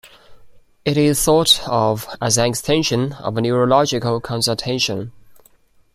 It is thought of as an extension of a neurologic consultation.